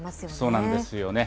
そうなんですよね。